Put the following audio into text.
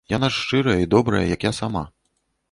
Яна ж шчырая і добрая, як я сама.